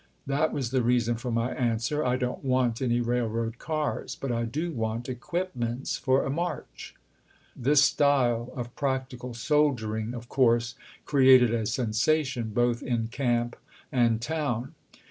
That was the reason for my answer. I don't want any railroad cars, but I do want equip ments for a march." This style of practical soldiering of course cre ated a sensation, both in camp and town.